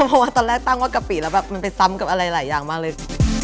เพราะว่าตอนแรกตั้งว่ากะปิแล้วแบบมันไปซ้ำกับอะไรหลายอย่างมากเลย